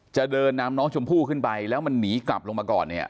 จะเดินนำน้องชมพู่ขึ้นไปแล้วมันหนีกลับลงมาก่อนเนี่ย